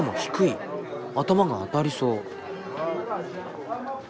頭が当たりそう。